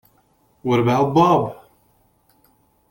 What About Bob?